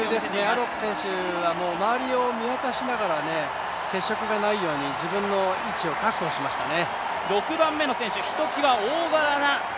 アロップ選手は周りを見渡しながら接触がないように自分の位置を確保しましたね。